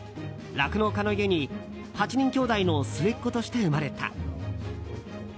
酪農家の家に８人きょうだいの末っ子として生まれた。